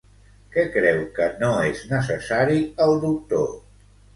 Què creu que no és necessari el doctor?